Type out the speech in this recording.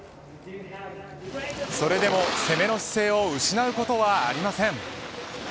それでも攻めの姿勢を失うことはありません。